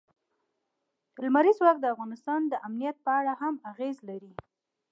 لمریز ځواک د افغانستان د امنیت په اړه هم اغېز لري.